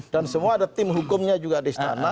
dan semua ada tim hukumnya juga di sana